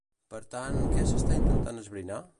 Per tant, què s'està intentant esbrinar?